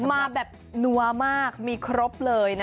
มาแบบนัวมากมีครบเลยนะ